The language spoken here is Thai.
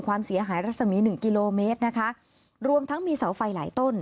ความเสียหายรัศมีหนึ่งกิโลเมตรนะคะรวมทั้งมีเสาไฟหลายต้น